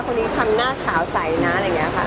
คนนี้ทำหน้าขาวใสนะอะไรอย่างนี้ค่ะ